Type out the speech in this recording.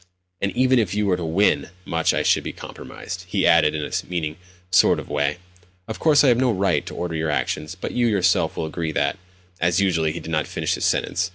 "And even if you were to win much I should be compromised," he added in a meaning sort of way. "Of course I have no right to order your actions, but you yourself will agree that..." As usual, he did not finish his sentence.